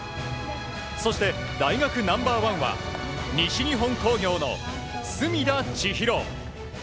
そして大学ナンバー１は西日本工業の隅田知一郎。